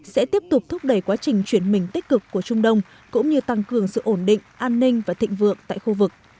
sẽ tiếp tục thúc đẩy quá trình chuyển mình tích cực của trung đông cũng như tăng cường sự ổn định an ninh và thịnh vượng tại khu vực